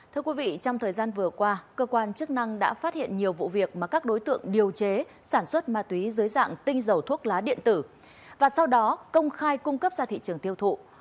thưa quý vị trong thời gian vừa qua cơ quan chức năng đã phát hiện nhiều vụ việc mà các đối tượng điều chế sản xuất ma túy dưới dạng tinh dầu thuốc lá điện tử và sau đó công khai cung cấp ra thị trường tiêu thụ